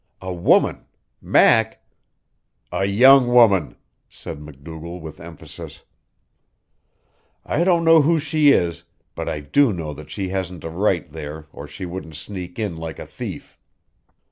"A woman Mac " "A YOUNG woman," said MacDougall, with emphasis. "I don't know who she is, but I do know that she hasn't a right there or she wouldn't sneak in like a thief.